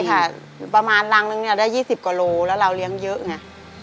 ค่ะประมาณรังนึงเนี่ยได้๒๐กว่าโลแล้วเราเลี้ยงเยอะไง